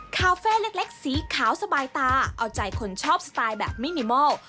คาเฟ่เล็กสีขาวสบายตาเอาใจคนชอบสไตล์แบบมินิมอล